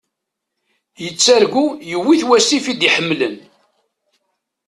Yettargu yuwi-t wasif i d-iḥemlen.